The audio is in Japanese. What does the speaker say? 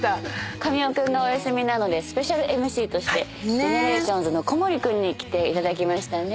神尾君がお休みなのでスペシャルＭＣとしてＧＥＮＥＲＡＴＩＯＮＳの小森君に来ていただきました。